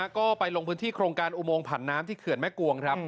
ก็ไปลงพื้นที่โครงการอุโมงผันน้ำที่เขื่อนแม่กวงครับ